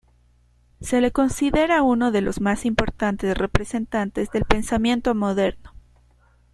Se le considera uno de los más importantes representantes del pensamiento moderno.